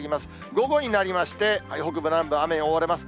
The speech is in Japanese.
午後になりまして、北部、南部、雨に覆われます。